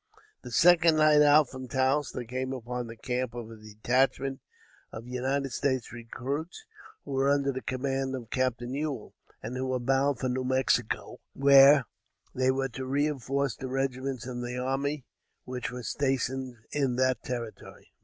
The second night out from Taos they came upon the camp of a detachment of United States recruits who were under the command of Captain Ewell, and who were bound for New Mexico, where they were to reinforce the regiments of the army which were stationed in that territory.